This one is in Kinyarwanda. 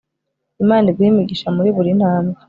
imana iguhe imigisha muri buri ntambwe